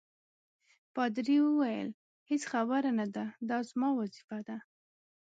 پادري وویل: هیڅ خبره نه ده، دا زما وظیفه ده.